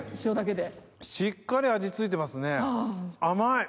しっかり味付いてますね甘い！